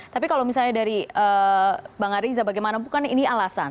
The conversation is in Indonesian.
tapi kalau misalnya dari bang ariza bagaimana bukan ini alasan